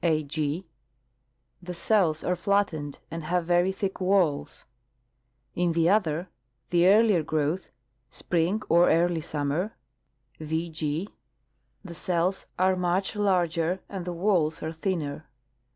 a, g) the cells are flattened and have very thick walls ; in the other (the earlier growth — spring or early summer, v, g) the cells are much larger, and the walls are thinner.